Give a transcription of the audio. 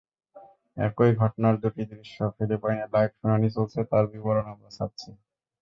একই ঘটনার দুটি দৃশ্য—ফিলিপাইনে লাইভ শুনানি চলছে, তার বিবরণ আমরা ছাপছি।